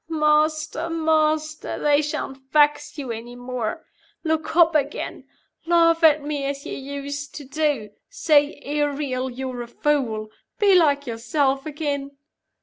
"Master! master! They shan't vex you any more. Look up again. Laugh at me as you used to do. Say, 'Ariel, you're a fool.' Be like yourself again!"